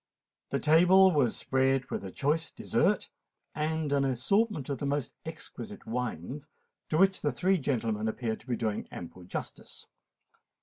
The table was spread with a choice dessert and an assortment of the most exquisite wines, to which the three gentlemen appeared to be doing ample justice.